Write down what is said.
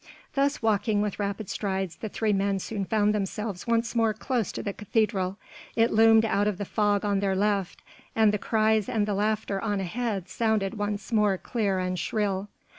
Thus walking with rapid strides the three men soon found themselves once more close to the cathedral: it loomed out of the fog on their left and the cries and the laughter on ahead sounded once more clear and shrill.